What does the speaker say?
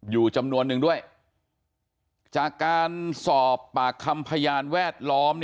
อยู่จำนวนนึงด้วยจากการสอบปากคำพยานแวดล้อม